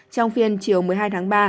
trong phiên chiều một mươi hai tháng ba